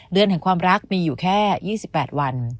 เดือนแห่งความรักมีอยู่แค่๒๘วัน